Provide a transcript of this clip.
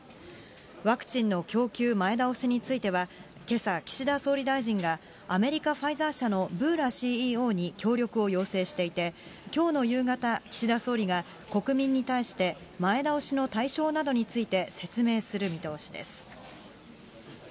ワクチンの供給前倒しについてはけさ、岸田総理大臣が、アメリカ・ファイザー社のブーラＣＥＯに協力を要請していて、きょうの夕方、岸田総理が国民に対して前倒しの対象などについて、説明する見通しです。